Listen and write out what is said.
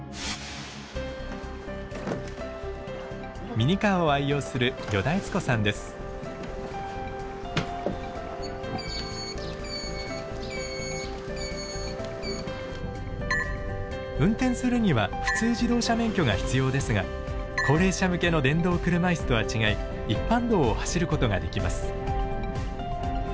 ミニカーを愛用する運転するには普通自動車免許が必要ですが高齢者向けの電動車椅子とは違い一般道を走ることができます。